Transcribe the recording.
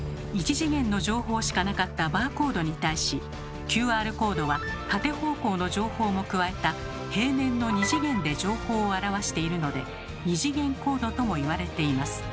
１次元の情報しかなかったバーコードに対しＱＲコードは縦方向の情報も加えた平面の２次元で情報を表しているので「２次元コード」ともいわれています。